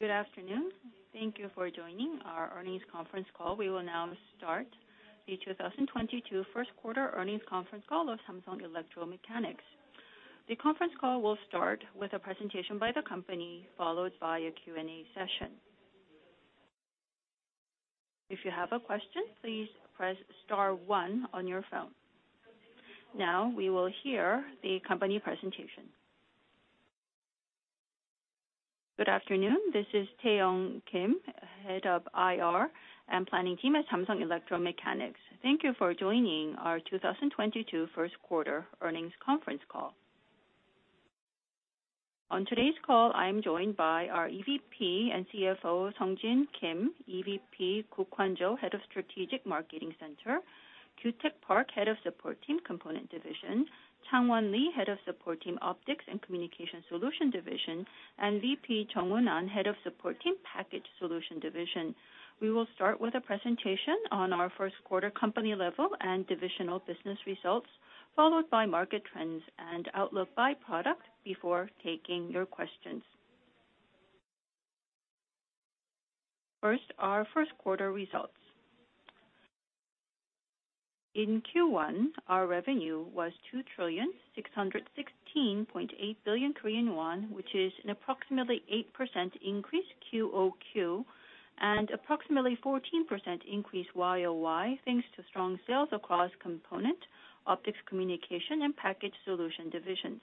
Good afternoon. Thank you for joining our earnings conference call. We will now start the 2022 first quarter earnings conference call of Samsung Electro-Mechanics. The conference call will start with a presentation by the company, followed by a Q&A session. If you have a question, please press star one on your phone. Now we will hear the company presentation. Good afternoon. This is Taiyoung Kim, Head of IR and Planning Team at Samsung Electro-Mechanics. Thank you for joining our 2022 first quarter earnings conference call. On today's call, I'm joined by our EVP and CFO, Sungjin Kim, EVP Kook-hwan Cho, Head of Strategic Marketing Center, Kyu-Taeck Park, Head of Support Team, Component Division, Changwan Lee, Head of Support Team, Optics and Communication Solution Division, and VP Jungwon Ahn, Head of Support Team, Package Solution Division. We will start with a presentation on our first quarter company level and divisional business results, followed by market trends and outlook by product before taking your questions. First, our first quarter results. In Q1, our revenue was 2.6168 trillion, which is an approximately 8% increase QoQ and approximately 14% increase YoY, thanks to strong sales across Component, Optics and Communication Solution, and Package Solution divisions.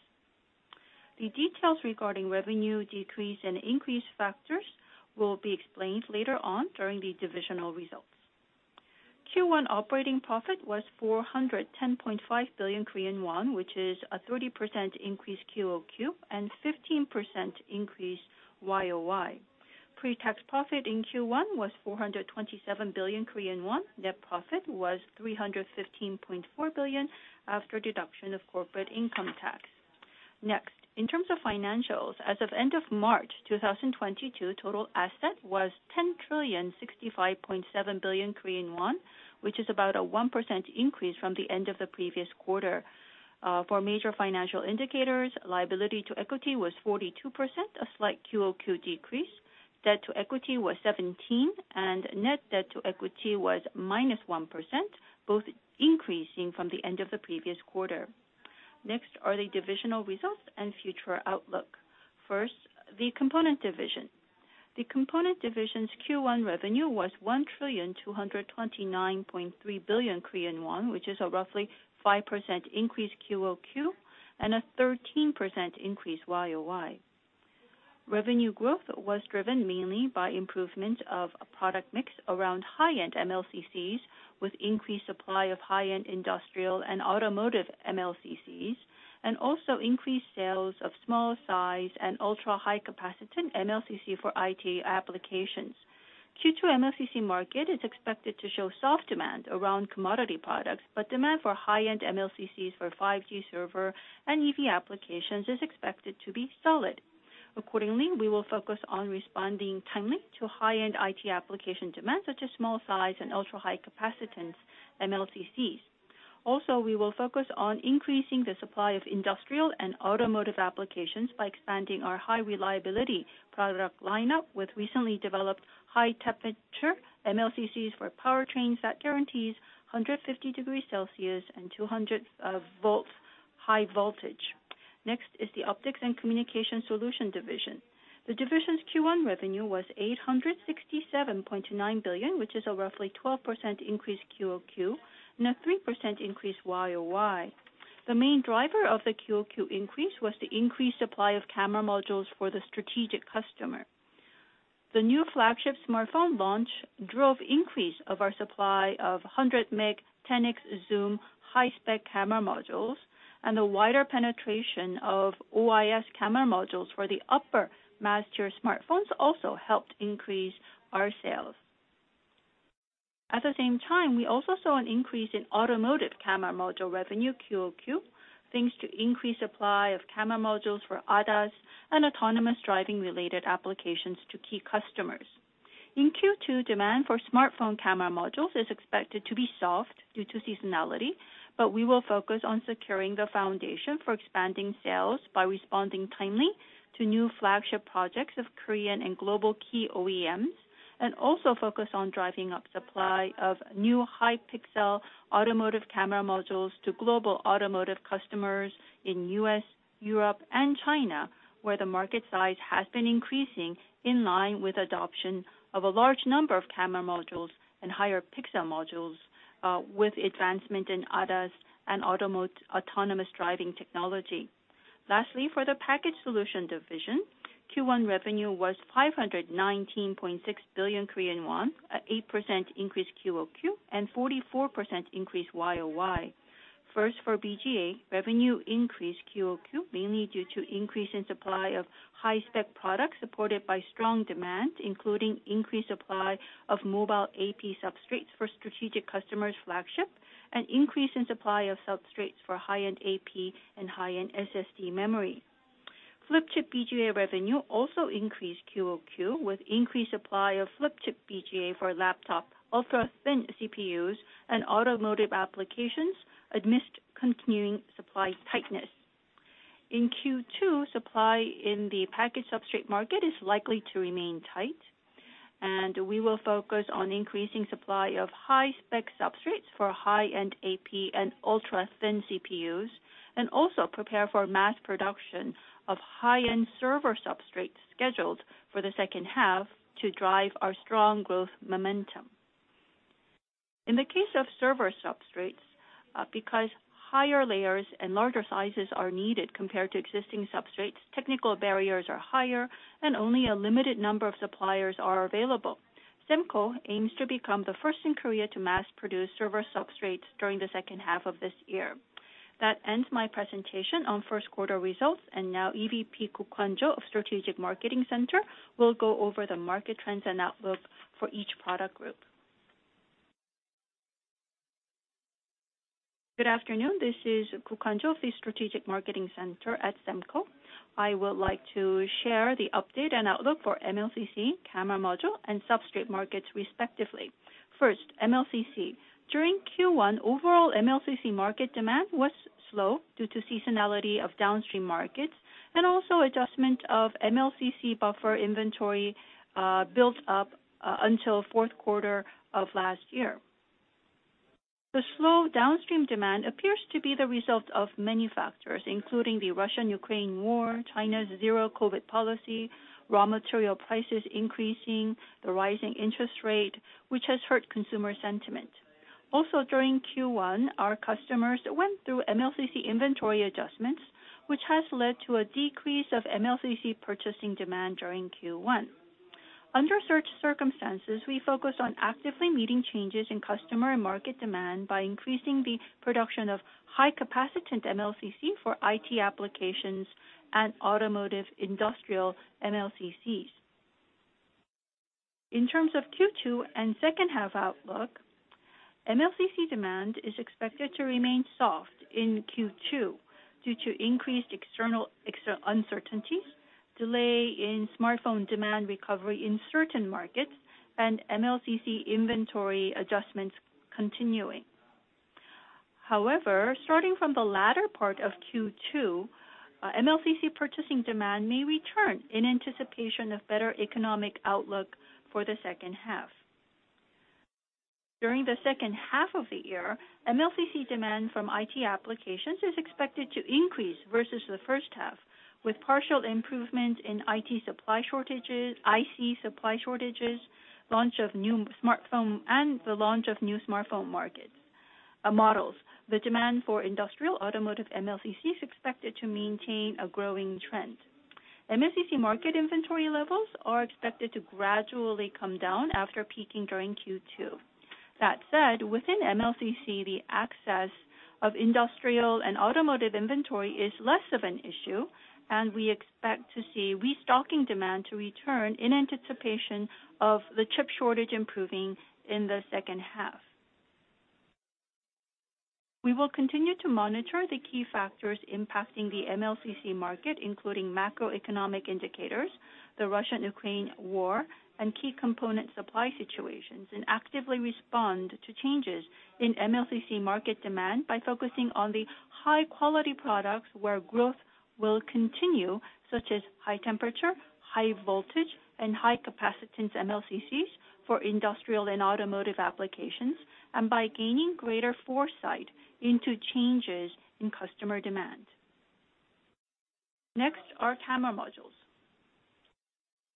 The details regarding revenue decrease and increase factors will be explained later on during the divisional results. Q1 operating profit was 410.5 billion Korean won, which is a 30% increase QoQ and 15% increase YoY. Pre-tax profit in Q1 was 427 billion Korean won. Net profit was 315.4 billion after deduction of corporate income tax. Next, in terms of financials, as of end of March 2022, total asset was 10.0657 trillion, which is about a 1% increase from the end of the previous quarter. For major financial indicators, liability to equity was 42%, a slight QoQ decrease. Debt to equity was 17%, and net debt to equity was -1%, both increasing from the end of the previous quarter. Next are the divisional results and future outlook. First, the Component Division. The Component Division's Q1 revenue was 1.2293 trillion, which is a roughly 5% increase QoQ and a 13% increase YoY. Revenue growth was driven mainly by improvement of a product mix around high-end MLCCs, with increased supply of high-end industrial and automotive MLCCs, and also increased sales of small size and ultra-high capacitance MLCC for IT applications. Q2 MLCC market is expected to show soft demand around commodity products, but demand for high-end MLCCs for 5G server and EV applications is expected to be solid. Accordingly, we will focus on responding timely to high-end IT application demand, such as small size and ultra-high capacitance MLCCs. Also, we will focus on increasing the supply of industrial and automotive applications by expanding our high reliability product lineup with recently developed high temperature MLCCs for powertrains that guarantees 150 degrees Celsius and 200 volts high voltage. Next is the Optics and Communication Solution Division. The division's Q1 revenue was KRW 867.9 billion, which is a roughly 12% increase QoQ and a 3% increase YoY. The main driver of the QoQ increase was the increased supply of camera modules for the strategic customer. The new flagship smartphone launch drove increase of our supply of 100MP 10X zoom high-spec camera modules and a wider penetration of OIS camera modules for the upper mass-tier smartphones also helped increase our sales. At the same time, we also saw an increase in automotive camera module revenue QoQ, thanks to increased supply of camera modules for ADAS and autonomous driving related applications to key customers. In Q2, demand for smartphone camera modules is expected to be soft due to seasonality, but we will focus on securing the foundation for expanding sales by responding timely to new flagship projects of Korean and global key OEMs, and also focus on driving up supply of new high pixel automotive camera modules to global automotive customers in U.S., Europe, and China, where the market size has been increasing in line with adoption of a large number of camera modules and higher pixel modules, with advancement in ADAS and autonomous driving technology. Lastly, for the Package Solution Division, Q1 revenue was 519.6 billion Korean won, an 8% increase QoQ and 44% increase YoY. First, for BGA, revenue increased QoQ, mainly due to increase in supply of high-spec products supported by strong demand, including increased supply of mobile AP substrates for strategic customers' flagship and increase in supply of substrates for high-end AP and high-end SSD memory. Flip chip BGA revenue also increased QoQ with increased supply of flip chip BGA for laptop, ultra thin CPUs and automotive applications amidst continuing supply tightness. In Q2, supply in the package substrate market is likely to remain tight, and we will focus on increasing supply of high-spec substrates for high-end AP and ultra thin CPUs, and also prepare for mass production of high-end server substrates scheduled for the second half to drive our strong growth momentum. In the case of server substrates, because higher layers and larger sizes are needed compared to existing substrates, technical barriers are higher, and only a limited number of suppliers are available. Semco aims to become the first in Korea to mass-produce server substrates during the second half of this year. That ends my presentation on first quarter results, and now EVP Kook-hwan Cho of Strategic Marketing Center will go over the market trends and outlook for each product group. Good afternoon. This is Kook-hwan Cho of the Strategic Marketing Center at Semco. I would like to share the update and outlook for MLCC, camera module, and substrate markets respectively. First, MLCC. During Q1, overall MLCC market demand was slow due to seasonality of downstream markets and also adjustment of MLCC buffer inventory built up until fourth quarter of last year. The slow downstream demand appears to be the result of many factors, including the Russo-Ukrainian war, China's zero-COVID policy, raw material prices increasing, the rising interest rate, which has hurt consumer sentiment. Also, during Q1, our customers went through MLCC inventory adjustments, which has led to a decrease of MLCC purchasing demand during Q1. Under such circumstances, we focused on actively meeting changes in customer and market demand by increasing the production of high-capacitance MLCC for IT applications and automotive industrial MLCCs. In terms of Q2 and second half outlook, MLCC demand is expected to remain soft in Q2 due to increased external uncertainties, delay in smartphone demand recovery in certain markets, and MLCC inventory adjustments continuing. However, starting from the latter part of Q2, MLCC purchasing demand may return in anticipation of better economic outlook for the second half. During the second half of the year, MLCC demand from IT applications is expected to increase versus the first half, with partial improvement in IC supply shortages, launch of new smartphone models. The demand for industrial automotive MLCC is expected to maintain a growing trend. MLCC market inventory levels are expected to gradually come down after peaking during Q2. That said, within MLCC, the excess of industrial and automotive inventory is less of an issue, and we expect to see restocking demand to return in anticipation of the chip shortage improving in the second half. We will continue to monitor the key factors impacting the MLCC market, including macroeconomic indicators, the Russia-Ukraine war, and key component supply situations, and actively respond to changes in MLCC market demand by focusing on the high-quality products where growth will continue, such as high temperature, high voltage, and high capacitance MLCCs for industrial and automotive applications, and by gaining greater foresight into changes in customer demand. Next, our camera modules.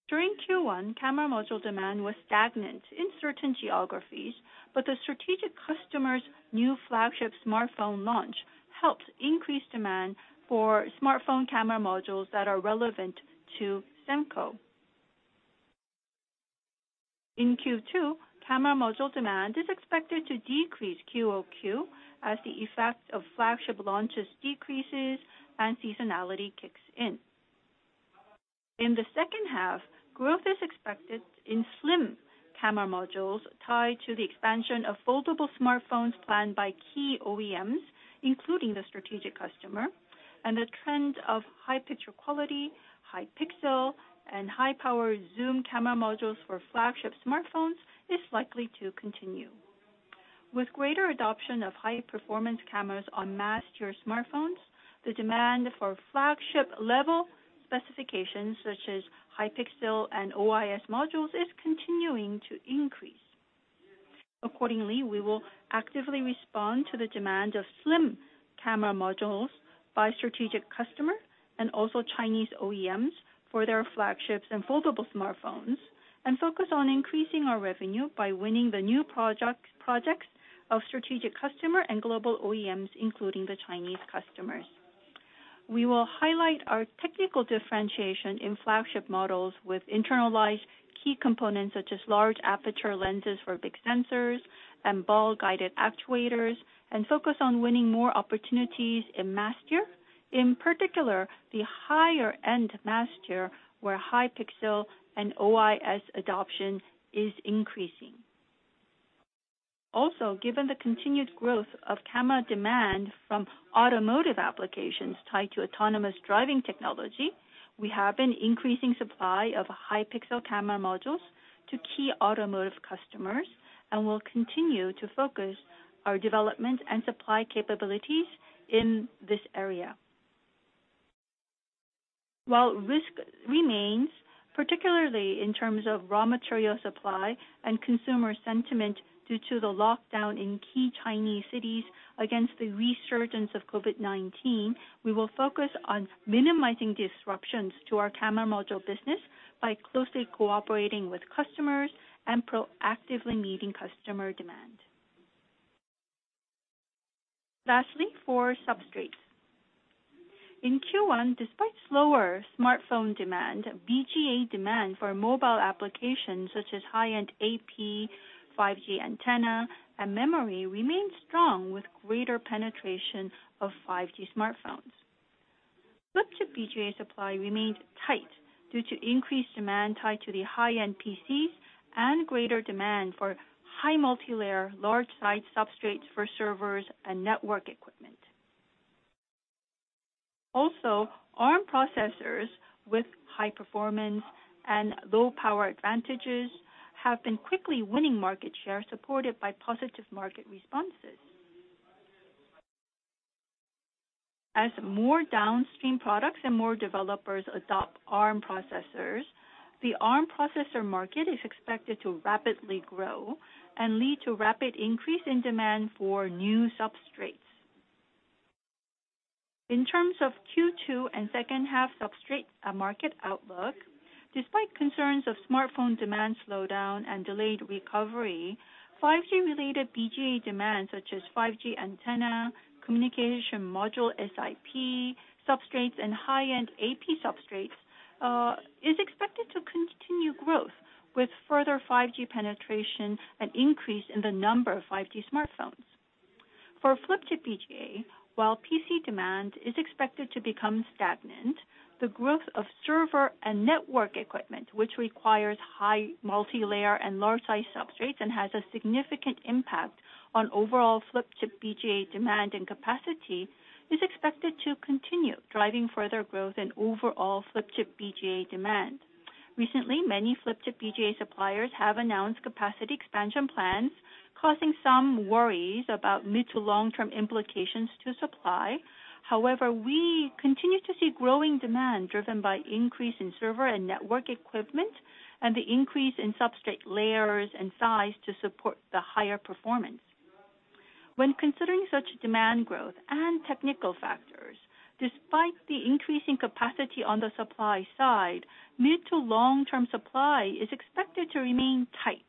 During Q1, camera module demand was stagnant in certain geographies, but the strategic customer's new flagship smartphone launch helped increase demand for smartphone camera modules that are relevant to Semco. In Q2, camera module demand is expected to decrease QoQ as the effect of flagship launches decreases and seasonality kicks in. In the second half, growth is expected in slim camera modules tied to the expansion of foldable smartphones planned by key OEMs, including the strategic customer, and the trend of high picture quality, high pixel, and high-power zoom camera modules for flagship smartphones is likely to continue. With greater adoption of high-performance cameras on mass-tier smartphones, the demand for flagship-level specifications such as high pixel and OIS modules is continuing to increase. Accordingly, we will actively respond to the demand of slim camera modules by strategic customer and also Chinese OEMs for their flagships and foldable smartphones, and focus on increasing our revenue by winning the new project, projects of strategic customer and global OEMs, including the Chinese customers. We will highlight our technical differentiation in flagship models with internalized key components such as large aperture lenses for big sensors and ball guide actuators, and focus on winning more opportunities in mass-tier, in particular, the higher-end mass-tier, where high-pixel and OIS adoption is increasing. Also, given the continued growth of camera demand from automotive applications tied to autonomous driving technology, we have been increasing supply of high-pixel camera modules to key automotive customers, and will continue to focus our development and supply capabilities in this area. While risk remains, particularly in terms of raw material supply and consumer sentiment due to the lockdown in key Chinese cities against the resurgence of COVID-19, we will focus on minimizing disruptions to our camera module business by closely cooperating with customers and proactively meeting customer demand. Lastly, for substrates. In Q1, despite slower smartphone demand, BGA demand for mobile applications such as high-end AP, 5G antenna and memory remained strong with greater penetration of 5G smartphones. Flip chip BGA supply remained tight due to increased demand tied to the high-end PCs and greater demand for high multilayer large site substrates for servers and network equipment. Also, Arm processors with high performance and low power advantages have been quickly winning market share, supported by positive market responses. As more downstream products and more developers adopt Arm processors, the Arm processor market is expected to rapidly grow and lead to rapid increase in demand for new substrates. In terms of Q2 and second half substrate, market outlook, despite concerns of smartphone demand slowdown and delayed recovery, 5G related BGA demand such as 5G antenna, communication module SIP substrates and high-end AP substrates, is expected to continue growth with further 5G penetration and increase in the number of 5G smartphones. For flip chip BGA, while PC demand is expected to become stagnant, the growth of server and network equipment, which requires high multilayer and large size substrates and has a significant impact on overall flip chip BGA demand and capacity, is expected to continue driving further growth in overall flip chip BGA demand. Recently, many flip chip BGA suppliers have announced capacity expansion plans, causing some worries about mid to long term implications to supply. However, we continue to see growing demand driven by increase in server and network equipment, and the increase in substrate layers and size to support the higher performance. When considering such demand growth and technical factors, despite the increasing capacity on the supply side, mid- to long-term supply is expected to remain tight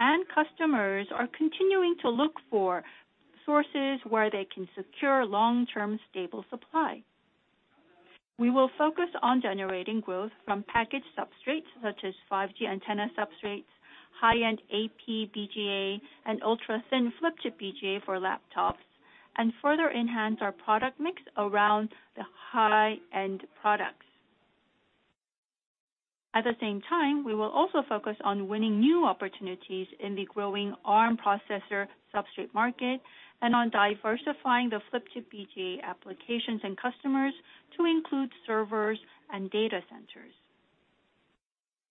and customers are continuing to look for sources where they can secure long-term stable supply. We will focus on generating growth from packaged substrates such as 5G antenna substrates, high-end AP BGA and ultra-thin Flip chip BGA for laptops and further enhance our product mix around the high-end products. At the same time, we will also focus on winning new opportunities in the growing Arm processor substrate market and on diversifying the Flip chip BGA applications and customers to include servers and data centers.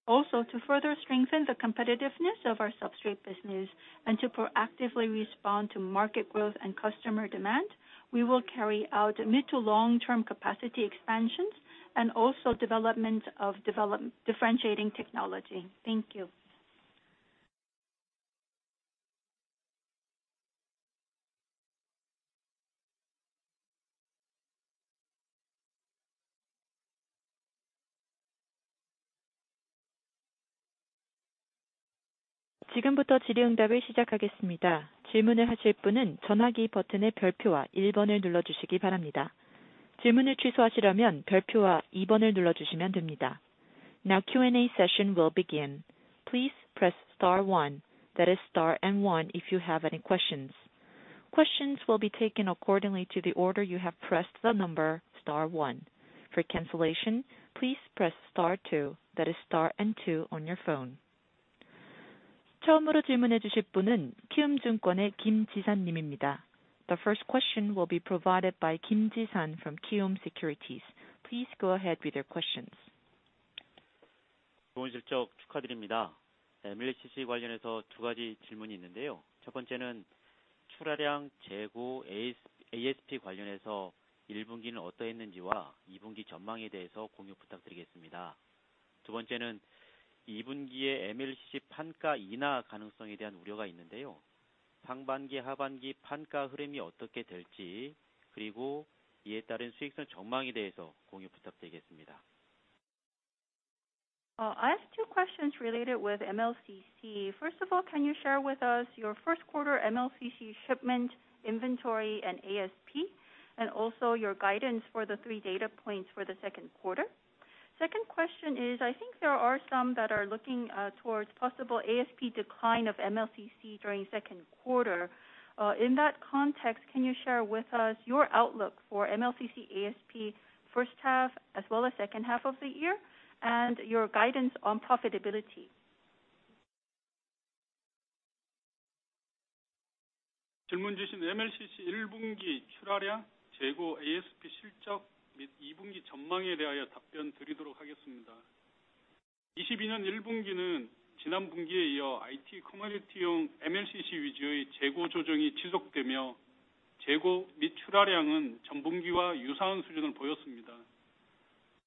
Also, to further strengthen the competitiveness of our substrate business and to proactively respond to market growth and customer demand, we will carry out mid to long term capacity expansions and also development of differentiating technology. Thank you. Now Q&A session will begin. Please press star one, that is star and one, if you have any questions. Questions will be taken accordingly to the order you have pressed the number star one. For cancellation, please press star two, that is star and two on your phone. The first question will be provided by Kim Jisan from Kiwoom Securities. Please go ahead with your questions. I have two questions related with MLCC. First of all, can you share with us your first quarter MLCC shipment inventory and ASP, and also your guidance for the three data points for the second quarter? Second question is, I think there are some that are looking towards possible ASP decline of MLCC during second quarter. In that context, can you share with us your outlook for MLCC ASP first half as well as second half of the year, and your guidance on profitability? 22년 1분기는 지난 분기에 이어 IT commodity용 MLCC 위주의 재고 조정이 지속되며, 재고 및 출하량은 전분기와 유사한 수준을 보였습니다.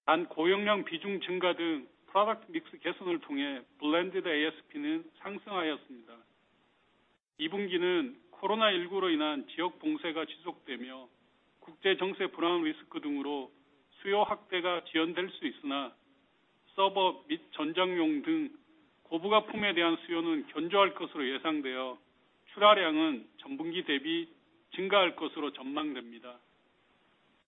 단 고용량 비중 증가 등 product mix 개선을 통해 blended ASP는 상승하였습니다. 2분기는 COVID-19로 인한 지역 봉쇄가 지속되며, 국제 정세 불안 리스크 등으로 수요 확대가 지연될 수 있으나 서버 및 전장용 등 고부가품에 대한 수요는 견조할 것으로 예상되어 출하량은 전분기 대비 증가할 것으로 전망됩니다.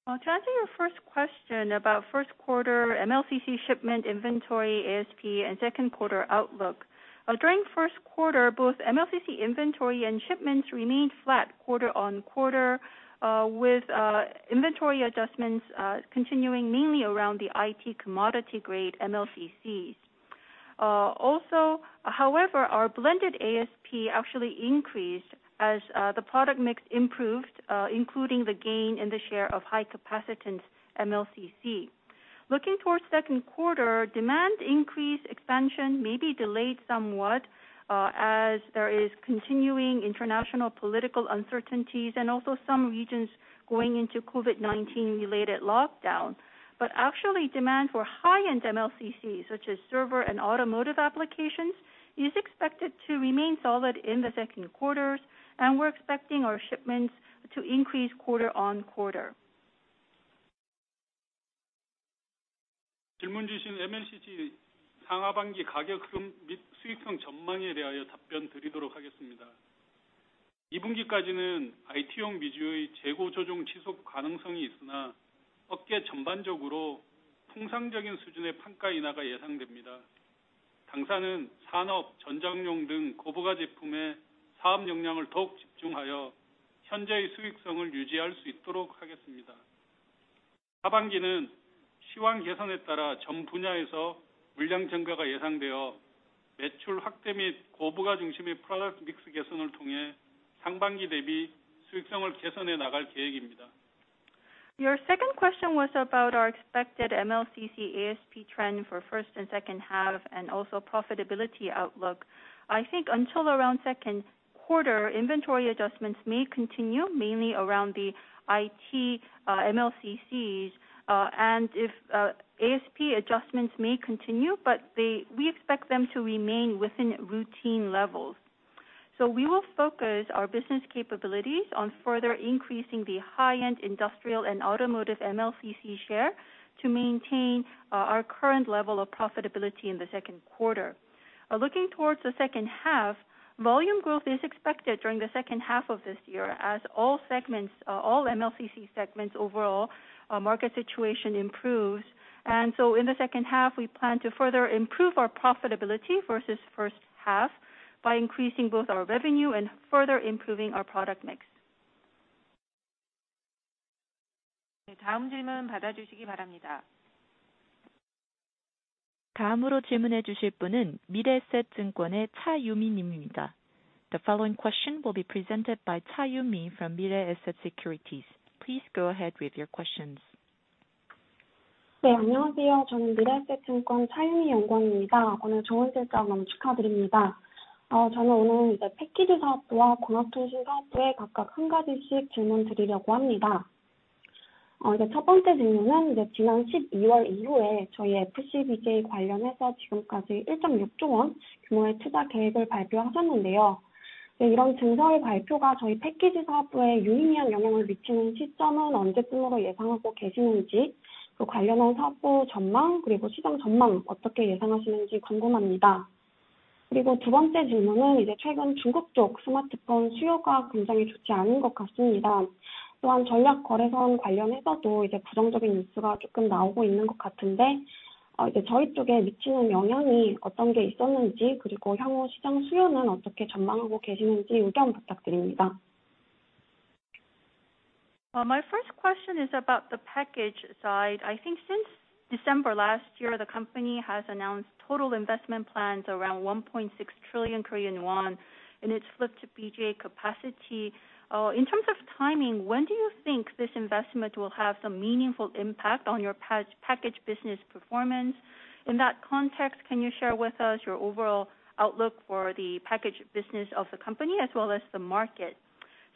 To answer your first question about first quarter MLCC shipment inventory, ASP and second quarter outlook. During first quarter, both MLCC inventory and shipments remained flat quarter on quarter, with inventory adjustments continuing mainly around the IT commodity grade MLCCs. Also, however, our blended ASP actually increased as the product mix improved, including the gain in the share of high capacitance MLCC. Looking towards second quarter, demand increase expansion may be delayed somewhat, as there is continuing international political uncertainties and also some regions going into COVID-19 related lockdown. Actually demand for high-end MLCC, such as server and automotive applications, is expected to remain solid in the second quarters, and we're expecting our shipments to increase quarter on quarter. 질문 주신 MLCC 상하반기 가격 흐름 및 수익성 전망에 대하여 답변드리도록 하겠습니다. 2분기까지는 IT용 위주의 재고 조정 지속 가능성이 있으나, 업계 전반적으로 통상적인 수준의 판가 인하가 예상됩니다. 당사는 산업, 전장용 등 고부가 제품에 사업 역량을 더욱 집중하여 현재의 수익성을 유지할 수 있도록 하겠습니다. 하반기는 시황 개선에 따라 전 분야에서 물량 증가가 예상되어 매출 확대 및 고부가 중심의 product mix 개선을 통해 상반기 대비 수익성을 개선해 나갈 계획입니다. Your second question was about our expected MLCC ASP trend for first and second half and also profitability outlook. I think until around second quarter, inventory adjustments may continue mainly around the IT MLCCs. ASP adjustments may continue, but we expect them to remain within routine levels. We will focus our business capabilities on further increasing the high-end industrial and automotive MLCC share to maintain our current level of profitability in the second quarter. Looking towards the second half, volume growth is expected during the second half of this year as all segments, all MLCC segments overall, market situation improves. In the second half, we plan to further improve our profitability versus first half by increasing both our revenue and further improving our product mix. 네, 다음 질문 받아주시기 바랍니다. 다음으로 질문해 주실 분은 미래에셋증권의 차유미 님입니다. The following question will be presented by Cha Yumi from Mirae Asset Securities. Please go ahead with your questions. 안녕하세요. 저는 미래에셋증권 차유미 연구원입니다. 오늘 좋은 실적 너무 축하드립니다. 저는 오늘 패키지 사업부와 광학통신 사업부에 각각 한 가지씩 질문드리려고 합니다. 첫 번째 질문은 지난 12월 이후에 FC-BGA 관련해서 지금까지 1.6조 원 규모의 투자 계획을 발표하셨는데요. 이런 증설 발표가 패키지 사업부에 유의미한 영향을 미치는 시점은 언제쯤으로 예상하고 계시는지, 또 관련한 사업부 전망 그리고 시장 전망 어떻게 예상하시는지 궁금합니다. 두 번째 질문은 최근 중국 쪽 스마트폰 수요가 굉장히 좋지 않은 것 같습니다. 또한 전략 거래선 관련해서도 부정적인 뉴스가 조금 나오고 있는 것 같은데, 저희 쪽에 미치는 영향이 어떤 게 있었는지, 그리고 향후 시장 수요는 어떻게 전망하고 계시는지 의견 부탁드립니다. My first question is about the package side. I think since December last year, the company has announced total investment plans around 1.6 trillion Korean won, and it's FC-BGA capacity. In terms of timing, when do you think this investment will have some meaningful impact on your package business performance? In that context, can you share with us your overall outlook for the package business of the company as well as the market?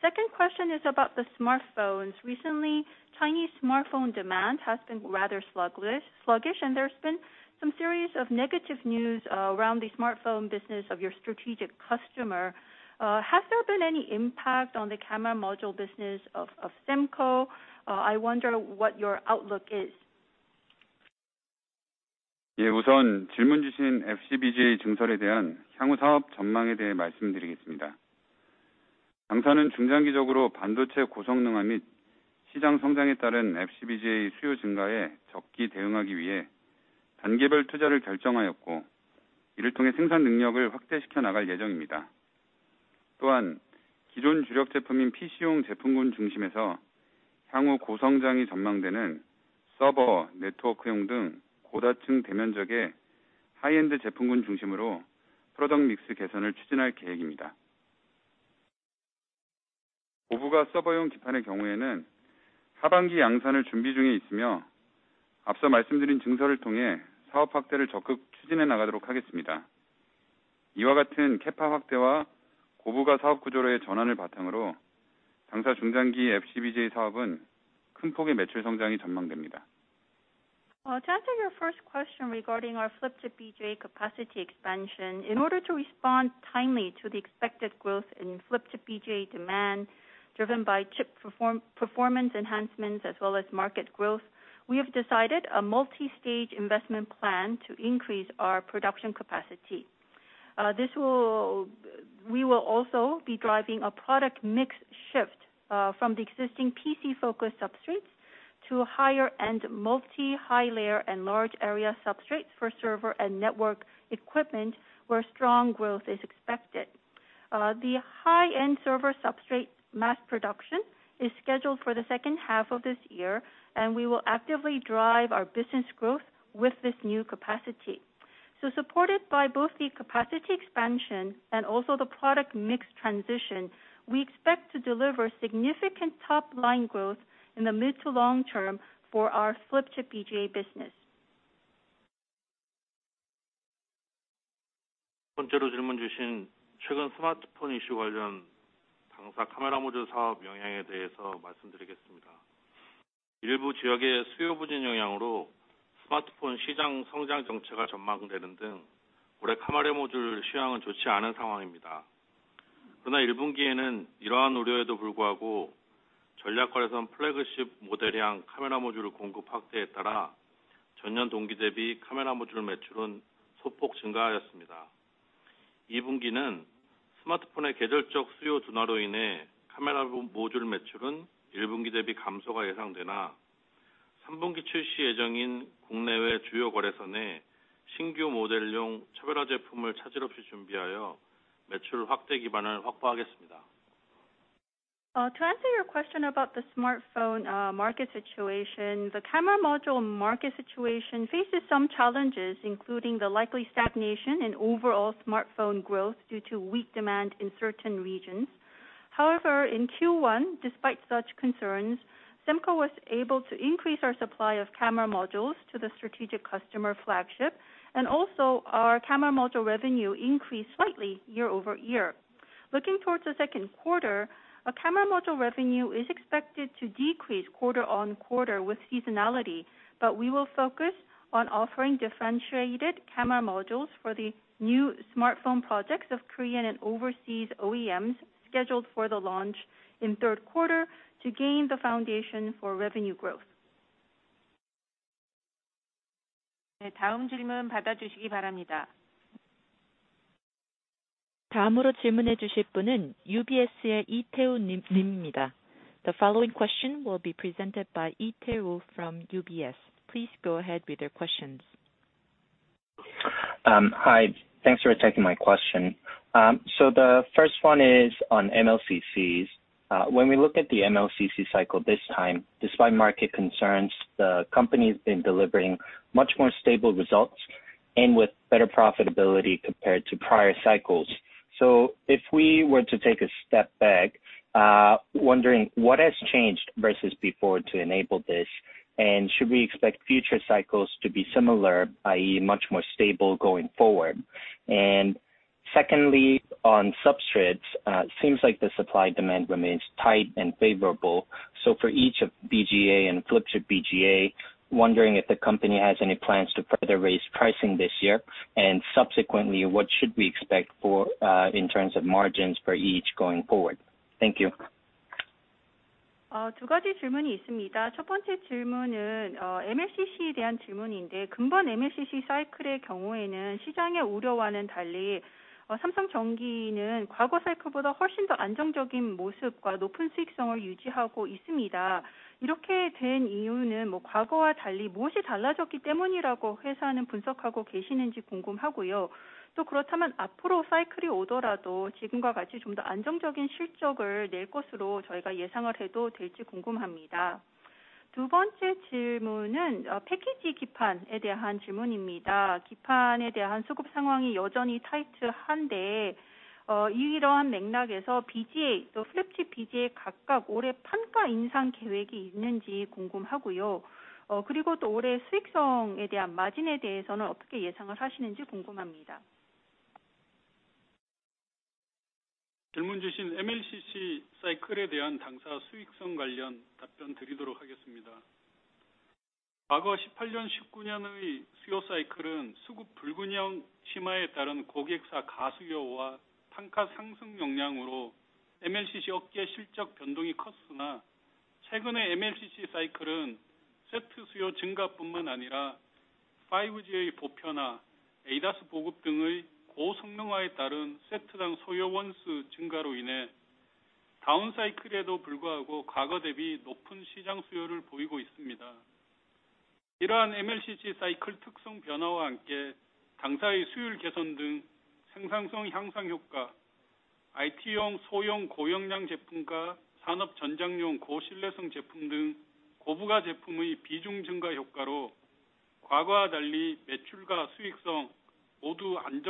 Second question is about the smartphones. Recently, Chinese smartphone demand has been rather sluggish, and there's been some series of negative news around the smartphone business of your strategic customer. Has there been any impact on the camera module business of Semco? I wonder what your outlook is. 예, 우선 질문 주신 FC-BGA 증설에 대한 향후 사업 전망에 대해 말씀드리겠습니다. 당사는 중장기적으로 반도체 고성능화 및 시장 성장에 따른 FC-BGA 수요 증가에 적기 대응하기 위해 단계별 투자를 결정하였고, 이를 통해 생산능력을 확대시켜 나갈 예정입니다. 또한 기존 주력 제품인 PC용 제품군 중심에서 향후 고성장이 전망되는 서버, 네트워크용 등 고다층 대면적의 하이엔드 제품군 중심으로 product mix 개선을 추진할 계획입니다. 고부가 서버용 기판의 경우에는 하반기 양산을 준비 중에 있으며, 앞서 말씀드린 증설을 통해 사업 확대를 적극 추진해 나가도록 하겠습니다. 이와 같은 Capa 확대와 고부가 사업 구조로의 전환을 바탕으로 당사 중장기 FC-BGA 사업은 큰 폭의 매출 성장이 전망됩니다. To answer your first question regarding our Flip chip BGA capacity expansion, in order to respond timely to the expected growth in Flip chip BGA demand, driven by chip performance enhancements as well as market growth, we have decided a multi-stage investment plan to increase our production capacity. We will also be driving a product mix shift from the existing PC-focused substrates to higher-end multi high-layer and large area substrates for server and network equipment where strong growth is expected. The high-end server substrate mass production is scheduled for the second half of this year, and we will actively drive our business growth with this new capacity. Supported by both the capacity expansion and also the product mix transition, we expect to deliver significant top-line growth in the mid to long term for our Flip chip BGA business. 두 번째로 질문 주신 최근 스마트폰 이슈 관련 당사 카메라 모듈 사업 영향에 대해서 말씀드리겠습니다. 일부 지역의 수요 부진 영향으로 스마트폰 시장 성장 정체가 전망되는 등 올해 카메라 모듈 시황은 좋지 않은 상황입니다. 그러나 1분기에는 이러한 우려에도 불구하고 전략 거래선 플래그십 모델향 카메라 모듈 공급 확대에 따라 전년 동기 대비 카메라 모듈 매출은 소폭 증가하였습니다. 2분기는 스마트폰의 계절적 수요 둔화로 인해 카메라 모듈 매출은 1분기 대비 감소가 예상되나, 3분기 출시 예정인 국내외 주요 거래선에 신규 모델용 차별화 제품을 차질 없이 준비하여 매출 확대 기반을 확보하겠습니다. To answer your question about the smartphone market situation, the camera module market situation faces some challenges, including the likely stagnation in overall smartphone growth due to weak demand in certain regions. However, in Q1, despite such concerns, Semco was able to increase our supply of camera modules to the strategic customer flagship and also our camera module revenue increased slightly year-over-year. Looking towards the second quarter, our camera module revenue is expected to decrease quarter-on-quarter with seasonality, but we will focus on offering differentiated camera modules for the new smartphone projects of Korean and overseas OEMs scheduled for the launch in third quarter to gain the foundation for revenue growth. 네, 다음 질문 받아주시기 바랍니다. 다음으로 질문해 주실 분은 UBS의 이태우 님입니다. The following question will be presented by 이태우 from UBS. Please go ahead with your questions. Hi. Thanks for taking my question. The first one is on MLCCs. When we look at the MLCC cycle this time, despite market concerns, the company's been delivering much more stable results and with better profitability compared to prior cycles. If we were to take a step back, wondering what has changed versus before to enable this, and should we expect future cycles to be similar, i.e. much more stable going forward? Secondly, on substrates, seems like the supply demand remains tight and favorable. For each of BGA and Flip chip BGA, wondering if the company has any plans to further raise pricing this year. Subsequently, what should we expect for, in terms of margins for each going forward? Thank you. 두 가지 질문이 있습니다. 첫 번째 질문은 MLCC에 대한 질문인데, 금번 MLCC 사이클의 경우에는 시장의 우려와는 달리 삼성전기는 과거 사이클보다 훨씬 더 안정적인 모습과 높은 수익성을 유지하고 있습니다. 이렇게 된 이유는 과거와 달리 무엇이 달라졌기 때문이라고 회사는 분석하고 계시는지 궁금하고요. 또 그렇다면 앞으로 사이클이 오더라도 지금과 같이 좀더 안정적인 실적을 낼 것으로 저희가 예상을 해도 될지 궁금합니다. 두 번째 질문은 패키지 기판에 대한 질문입니다. 기판에 대한 수급 상황이 여전히 타이트한데, 이러한 맥락에서 BGA, 또 Flip Chip BGA 각각 올해 판가 인상 계획이 있는지 궁금하고요. 그리고 또 올해 수익성에 대한 마진에 대해서는 어떻게 예상을 하시는지 궁금합니다. 질문 주신 MLCC 사이클에 대한 당사 수익성 관련 답변드리도록 하겠습니다. 과거 18년, 19년의 수요 사이클은 수급 불균형 심화에 따른 고객사 과수요와 판가 상승 영향으로 MLCC 업계 실적 변동이 컸으나, 최근의 MLCC 사이클은 세트 수요 증가뿐만 아니라 5G의 보편화, ADAS 보급 등의 고성능화에 따른 세트당 소요 원수 증가로 인해 다운사이클에도 불구하고 과거 대비 높은 시장 수요를 보이고 있습니다. 이러한 MLCC 사이클 특성 변화와 함께 당사의 수율 개선 등 생산성 향상 효과, IT용 소형 고용량 제품과 산업 전... Your first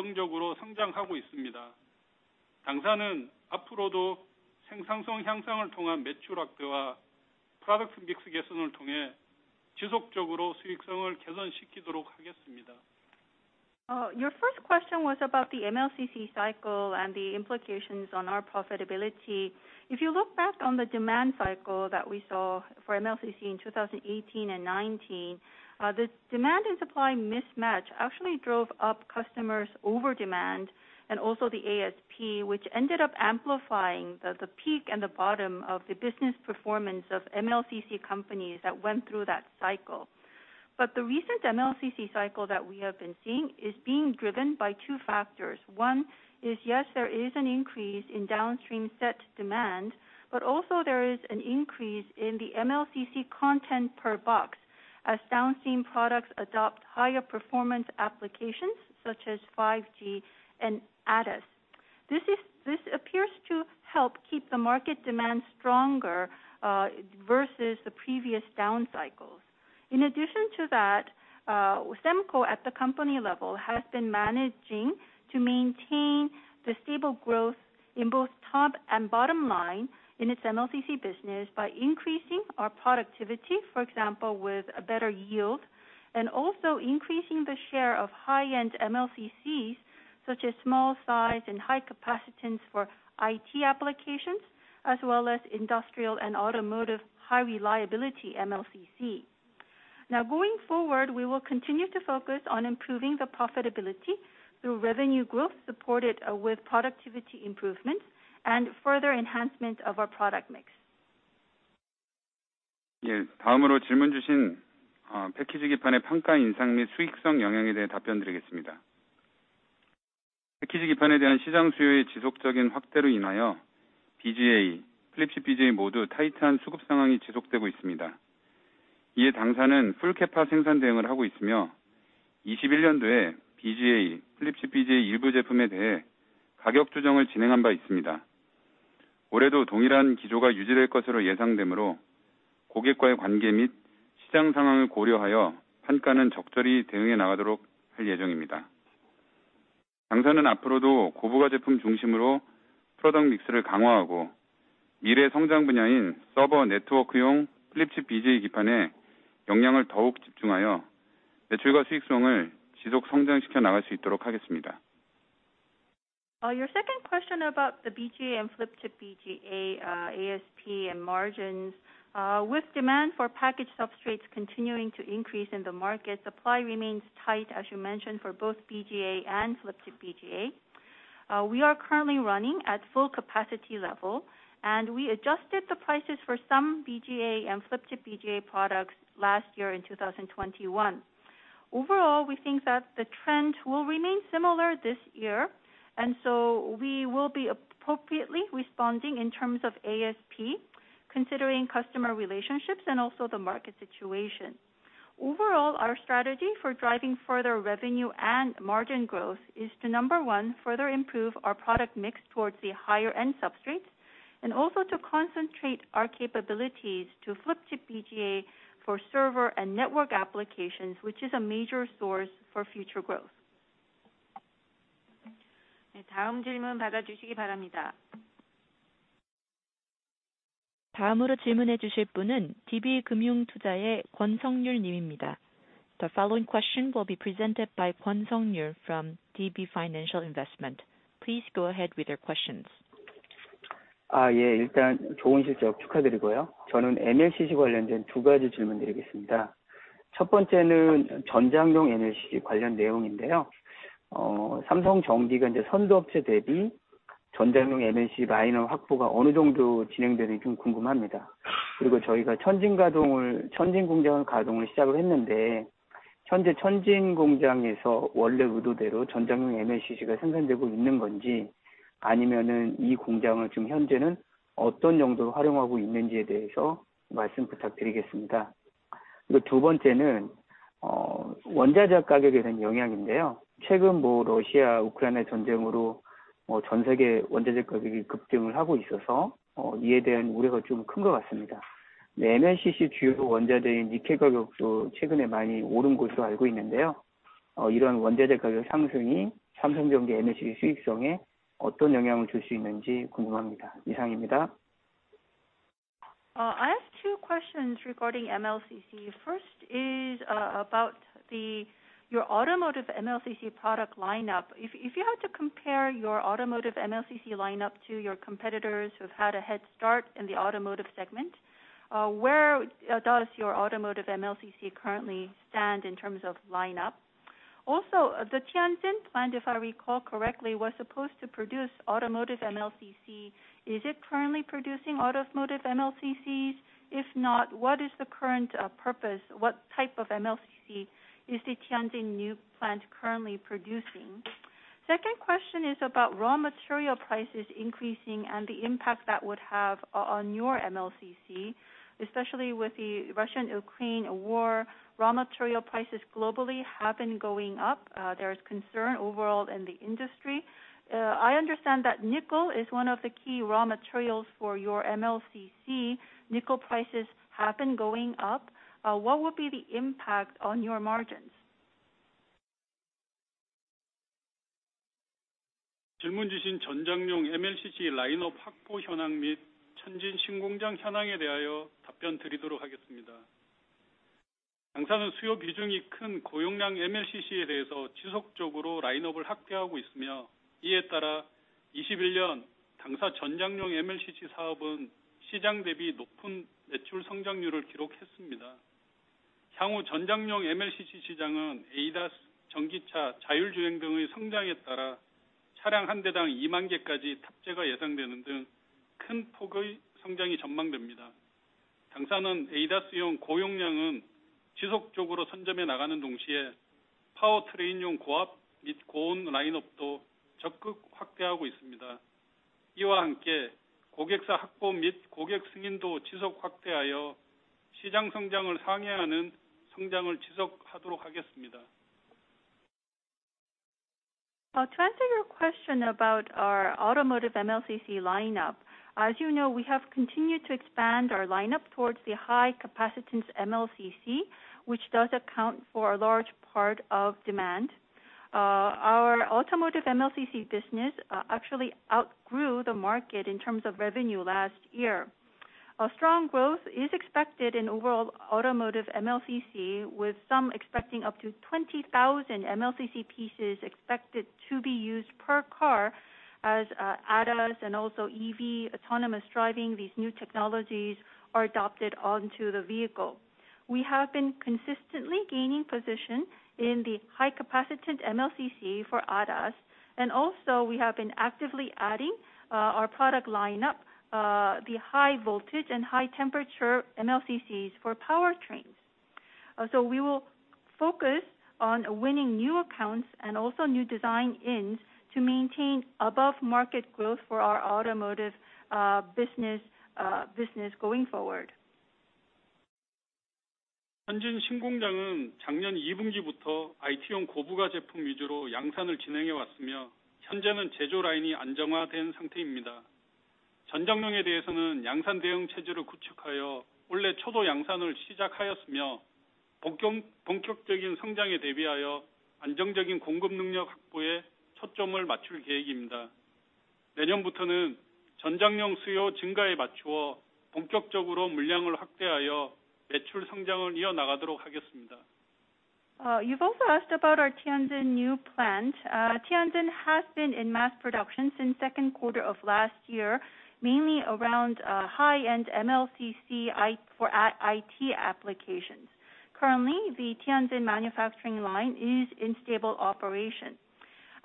question was about the MLCC cycle and the implications on our profitability. If you look back on the demand cycle that we saw for MLCC in 2018 and 2019, the demand and supply mismatch actually drove up customer over-demand and also the ASP, which ended up amplifying the peak and the bottom of the business performance of MLCC companies that went through that cycle. The recent MLCC cycle that we have been seeing is being driven by two factors. One is, yes, there is an increase in downstream set demand, but also there is an increase in the MLCC content per box as downstream products adopt higher performance applications such as 5G and ADAS. This appears to help keep the market demand stronger versus the previous down cycles. In addition to that, Semco at the company level has been managing to maintain the stable growth in both top and bottom line in its MLCC business by increasing our productivity, for example, with a better yield, and also increasing the share of high-end MLCCs, such as small size and high capacitance for IT applications, as well as industrial and automotive high reliability MLCC. Now, going forward, we will continue to focus on improving the profitability through revenue growth, supported, with productivity improvements and further enhancement of our product mix. Your second question about the BGA and flip chip BGA, ASP and margins. With demand for package substrates continuing to increase in the market, supply remains tight, as you mentioned, for both BGA and flip chip BGA. We are currently running at full capacity level, and we adjusted the prices for some BGA and Flip chip BGA products last year in 2021. Overall, we think that the trend will remain similar this year, and so we will be appropriately responding in terms of ASP, considering customer relationships and also the market situation. Overall, our strategy for driving further revenue and margin growth is to, number one, further improve our product mix towards the higher end substrates, and also to concentrate our capabilities to Flip chip BGA for server and network applications, which is a major source for future growth. The following question will be presented by Kwon Sung Yoo from DB Financial Investment. Please go ahead with your questions. I have two questions regarding MLCC. First is, about the, your automotive MLCC product lineup. If you had to compare your automotive MLCC lineup to your competitors who have had a head start in the automotive segment, where does your automotive MLCC currently stand in terms of lineup? Also, the Tianjin plant, if I recall correctly, was supposed to produce automotive MLCC. Is it currently producing automotive MLCCs? If not, what is the current purpose? What type of MLCC is the Tianjin new plant currently producing? Second question is about raw material prices increasing and the impact that would have on your MLCC. Especially with the Russia-Ukraine war, raw material prices globally have been going up. There is concern overall in the industry. I understand that nickel is one of the key raw materials for your MLCC. Nickel prices have been going up. What would be the impact on your margins? 질문 주신 전장용 MLCC 라인업 확보 현황 및 천진 신공장 현황에 대하여 답변 드리도록 하겠습니다. 당사는 수요 비중이 큰 고용량 MLCC에 대해서 지속적으로 라인업을 확대하고 있으며, 이에 따라 2021년 당사 전장용 MLCC 사업은 시장 대비 높은 매출 성장률을 기록했습니다. 향후 전장용 MLCC 시장은 ADAS, 전기차, 자율주행 등의 성장에 따라 차량 한 대당 2만 개까지 탑재가 예상되는 등큰 폭의 성장이 전망됩니다. 당사는 ADAS용 고용량은 지속적으로 선점해 나가는 동시에 파워트레인용 고압 및 고온 라인업도 적극 확대하고 있습니다. 이와 함께 고객사 확보 및 고객 승인도 지속 확대하여 시장 성장을 상회하는 성장을 지속하도록 하겠습니다. To answer your question about our automotive MLCC lineup, as you know, we have continued to expand our lineup towards the high capacitance MLCC, which does account for a large part of demand. Our automotive MLCC business actually outgrew the market in terms of revenue last year. A strong growth is expected in overall automotive MLCC, with some expecting up to 20,000 MLCC pieces expected to be used per car as ADAS and also EV autonomous driving, these new technologies are adopted onto the vehicle. We have been consistently gaining position in the high capacitance MLCC for ADAS, and also we have been actively adding our product lineup, the high voltage and high temperature MLCCs for powertrains. We will focus on winning new accounts and also new design-ins to maintain above market growth for our automotive business going forward. 천진 신공장은 작년 이 분기부터 IT용 고부가 제품 위주로 양산을 진행해 왔으며, 현재는 제조라인이 안정화된 상태입니다. 전장용에 대해서는 양산대응 체제를 구축하여 올해 초도 양산을 시작하였으며, 본격적인 성장에 대비하여 안정적인 공급 능력 확보에 초점을 맞출 계획입니다. 내년부터는 전장용 수요 증가에 맞추어 본격적으로 물량을 확대하여 매출 성장을 이어나가도록 하겠습니다. You've also asked about our Tianjin new plant. Tianjin has been in mass production since second quarter of last year, mainly around high-end MLCC for IT applications. Currently, the Tianjin manufacturing line is in stable operation.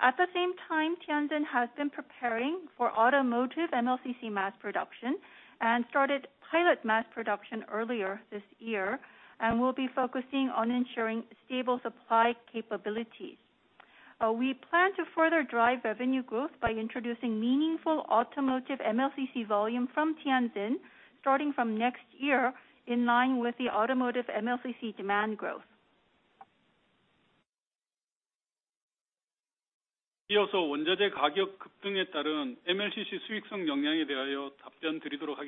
At the same time, Tianjin has been preparing for automotive MLCC mass production and started pilot mass production earlier this year, and we'll be focusing on ensuring stable supply capabilities. We plan to further drive revenue growth by introducing meaningful automotive MLCC volume from Tianjin starting from next year in line with the automotive MLCC demand growth. 이어서 원자재 가격 급등에 따른 MLCC 수익성 영향에 대하여 답변 드리도록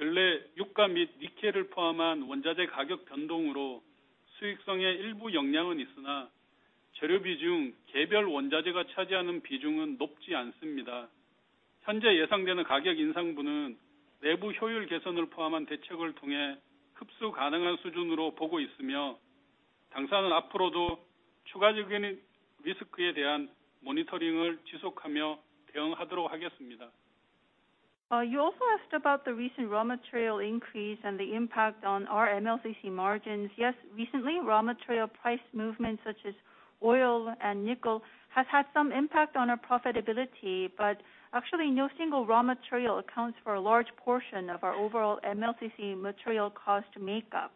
하겠습니다. 근래 유가 및 니켈을 포함한 원자재 가격 변동으로 수익성에 일부 영향은 있으나, 재료비 중 개별 원자재가 차지하는 비중은 높지 않습니다. 현재 예상되는 가격 인상분은 내부 효율 개선을 포함한 대책을 통해 흡수 가능한 수준으로 보고 있으며, 당사는 앞으로도 추가적인 리스크에 대한 모니터링을 지속하며 대응하도록 하겠습니다. You also asked about the recent raw material increase and the impact on our MLCC margins. Yes, recently, raw material price movements such as oil and nickel has had some impact on our profitability, but actually no single raw material accounts for a large portion of our overall MLCC material cost makeup.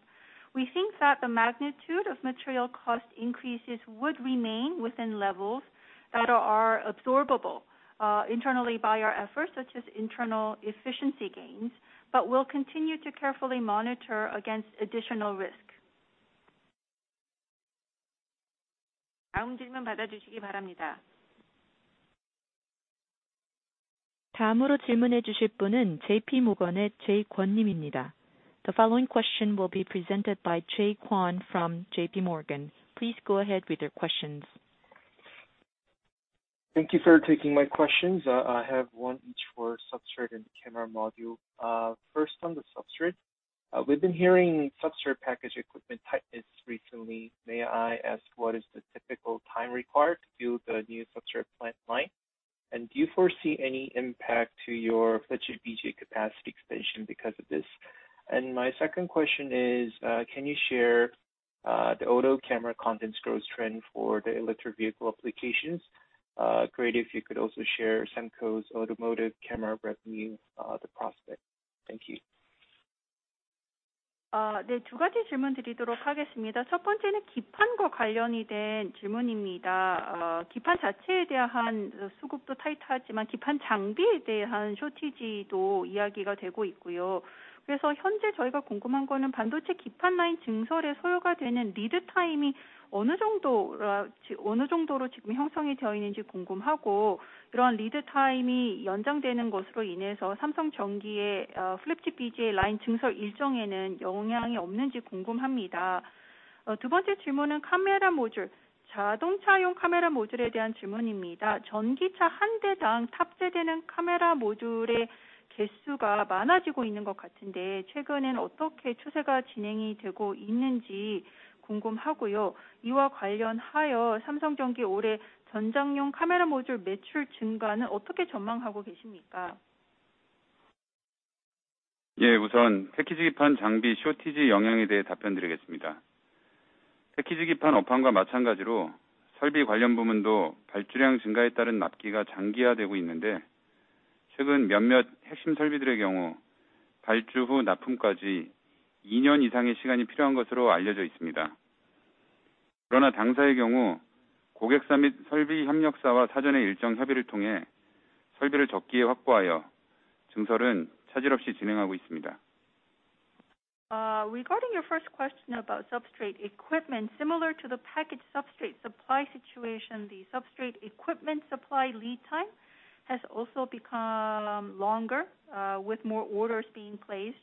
We think that the magnitude of material cost increases would remain within levels that are absorbable, internally by our efforts, such as internal efficiency gains. We'll continue to carefully monitor against additional risk. 다음 질문 받아주시기 바랍니다. 다음으로 질문해 주실 분은 JP Morgan의 Jay Kwon 님입니다. The following question will be presented by Jay Kwon from JP Morgan. Please go ahead with your questions. Thank you for taking my questions. I have one each for substrate and camera module. First on the substrate, we've been hearing substrate package equipment tightness recently. May I ask what is the typical time required to build a new substrate plant line? And do you foresee any impact to your FC-BGA capacity expansion because of this? And my second question is, can you share the auto camera components growth trend for the electric vehicle applications? Great if you could also share Semco's automotive camera revenue, the prospect. Thank you. 두 가지 질문 드리도록 하겠습니다. 첫 번째는 기판과 관련이 된 질문입니다. 기판 자체에 대한 수급도 타이트하지만 기판 장비에 대한 쇼티지도 이야기가 되고 있고요. 그래서 현재 저희가 궁금한 거는 반도체 기판 라인 증설에 소요가 되는 리드 타임이 어느 정도- Regarding your first question about substrate equipment, similar to the package substrate supply situation, the substrate equipment supply lead time has also become longer, with more orders being placed.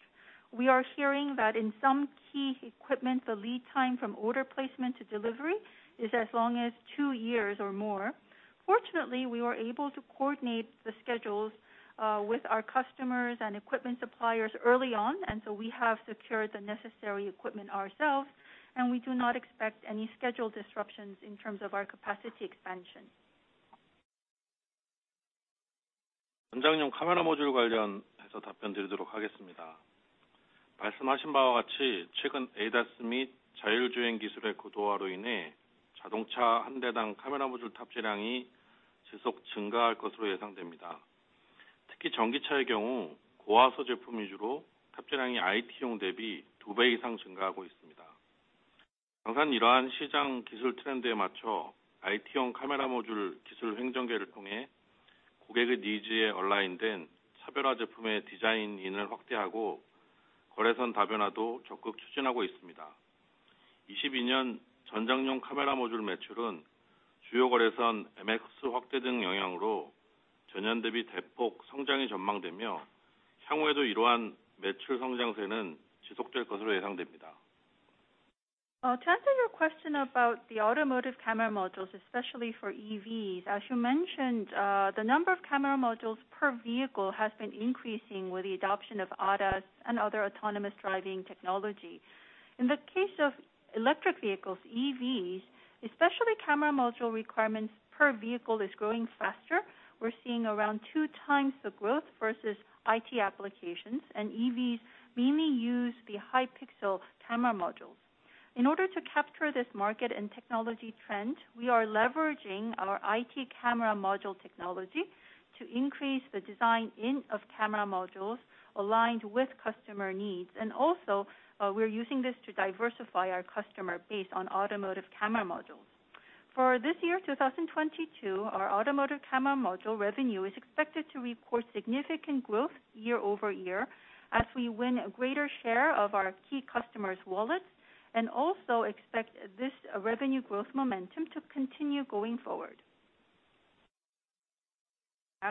We are hearing that in some key equipment, the lead time from order placement to delivery is as long as two years or more. Fortunately, we were able to coordinate the schedules, with our customers and equipment suppliers early on, and so we have secured the necessary equipment ourselves, and we do not expect any schedule disruptions in terms of our capacity expansion. To answer your question about the automotive camera modules, especially for EVs, as you mentioned, the number of camera modules per vehicle has been increasing with the adoption of ADAS and other autonomous driving technology. In the case of electric vehicles, EVs, especially camera module requirements per vehicle is growing faster. We're seeing around two times the growth versus IT applications, and EVs mainly use the high pixel camera modules. In order to capture this market and technology trend, we are leveraging our IT camera module technology to increase the design in of camera modules aligned with customer needs. We're using this to diversify our customer base on automotive camera modules. For this year, 2022, our automotive camera module revenue is expected to report significant growth year-over-year as we win a greater share of our key customers' wallets, and also expect this revenue growth momentum to continue going forward. The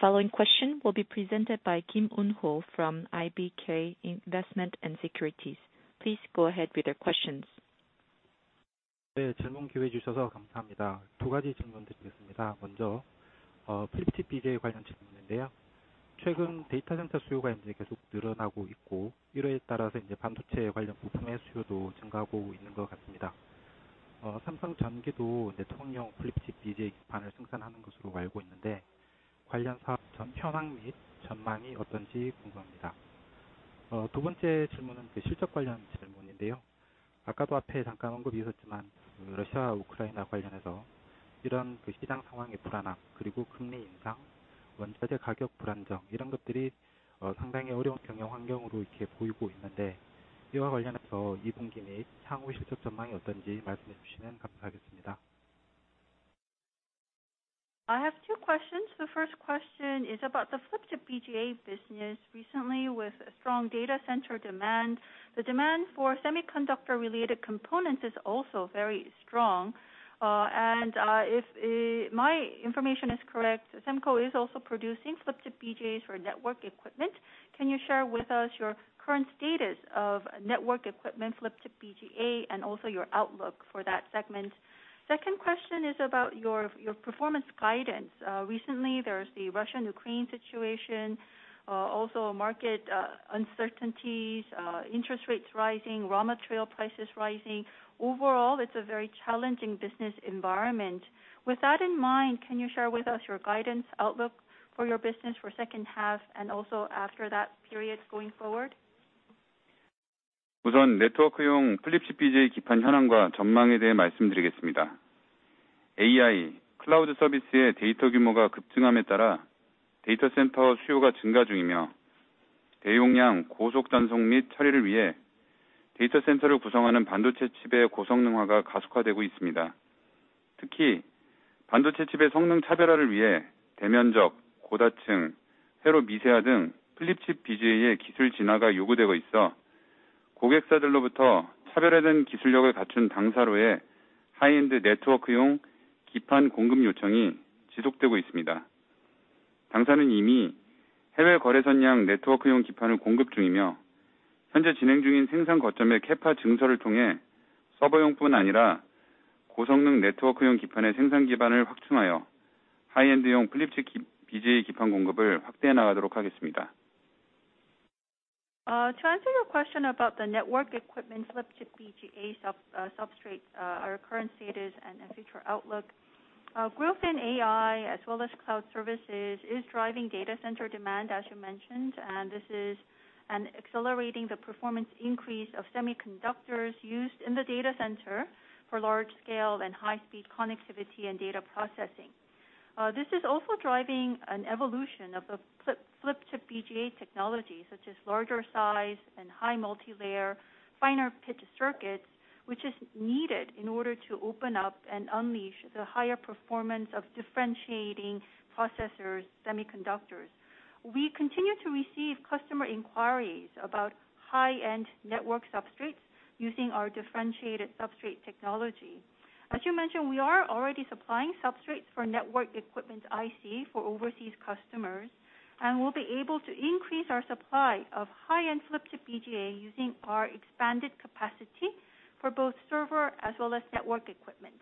following question will be presented by Kim Un-ho from IBK Securities. Please go ahead with your questions. I have two questions. The first question is about the Flip chip BGA business. Recently, with strong data center demand, the demand for semiconductor related components is also very strong. If my information is correct, Semco is also producing Flip chip BGAs for network equipment. Can you share with us your current status of network equipment, Flip chip BGA, and also your outlook for that segment? Second question is about your performance guidance. Recently there's the Russia/Ukraine situation, also market uncertainties, interest rates rising, raw material prices rising. Overall, it's a very challenging business environment. With that in mind, can you share with us your guidance outlook for your business for second half and also after that period going forward? To answer your question about the network equipment Flip chip BGA substrates, our current status and future outlook. Growth in AI as well as cloud services is driving data center demand, as you mentioned, and this is accelerating the performance increase of semiconductors used in the data center for large scale and high speed connectivity and data processing. This is also driving an evolution of the Flip chip BGA technology, such as larger size and high multilayer finer pitch circuits, which is needed in order to open up and unleash the higher performance of differentiating processors semiconductors. We continue to receive customer inquiries about high end network substrates using our differentiated substrate technology. As you mentioned, we are already supplying substrates for network equipment IC for overseas customers, and we'll be able to increase our supply of high-end Flip chip BGA using our expanded capacity for both server as well as network equipment.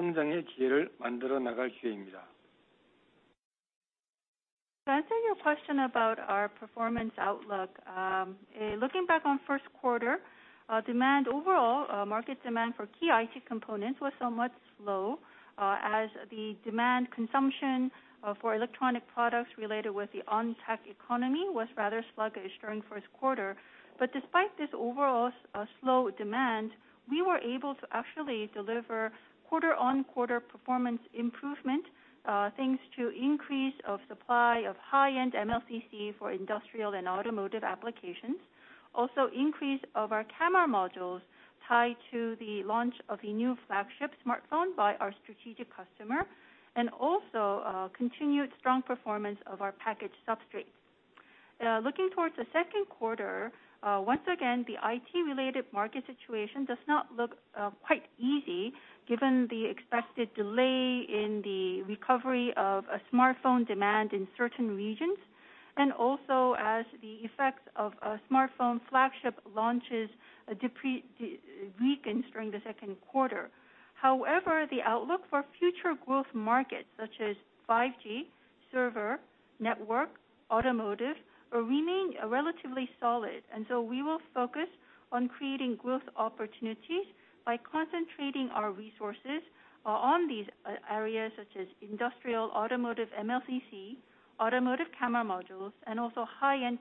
To answer your question about our performance outlook. Looking back on first quarter, demand overall, market demand for key IT components was somewhat slow, as the demand consumption for electronic products related with the untact economy was rather sluggish during first quarter. Despite this overall slow demand, we were able to actually deliver quarter-over-quarter performance improvement, thanks to increase of supply of high-end MLCC for industrial and automotive applications. Also increase of our camera modules tied to the launch of a new flagship smartphone by our strategic customer, and also continued strong performance of our package substrates. Looking towards the second quarter, once again, the IT-related market situation does not look quite easy given the expected delay in the recovery of a smartphone demand in certain regions and also as the effects of a smartphone flagship launches weakens during the second quarter. However, the outlook for future growth markets such as 5G, server, network, automotive will remain relatively solid. We will focus on creating growth opportunities by concentrating our resources on these areas such as industrial, automotive, MLCC, automotive camera modules, and also high-end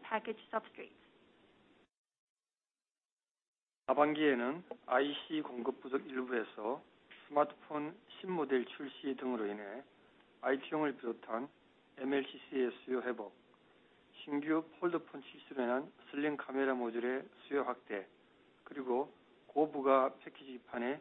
package substrates.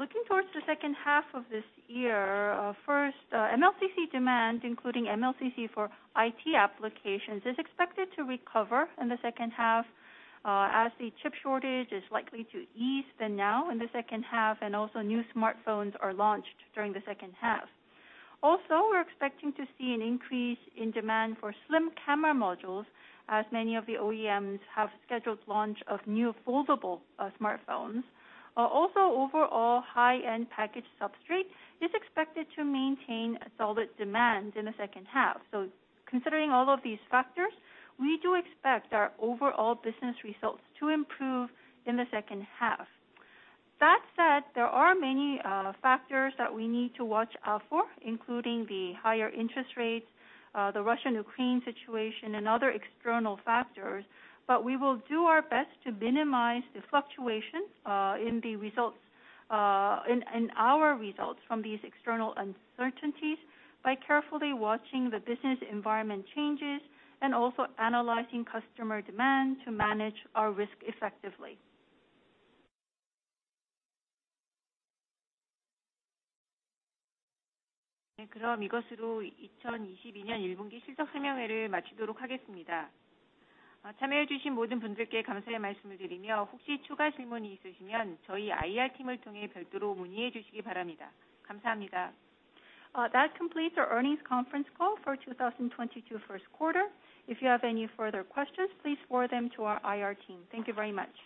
Looking towards the second half of this year, first, MLCC demand, including MLCC for IT applications, is expected to recover in the second half, as the chip shortage is likely to ease from now in the second half and also new smartphones are launched during the second half. Also, we're expecting to see an increase in demand for slim camera modules as many of the OEMs have scheduled launch of new foldable smartphones. Also, overall high-end package substrate is expected to maintain a solid demand in the second half. Considering all of these factors, we do expect our overall business results to improve in the second half. That said, there are many factors that we need to watch out for, including the higher interest rates, the Russia/Ukraine situation and other external factors. We will do our best to minimize the fluctuation in our results from these external uncertainties by carefully watching the business environment changes and also analyzing customer demand to manage our risk effectively. That completes our earnings conference call for 2022 first quarter. If you have any further questions, please forward them to our IR team. Thank you very much.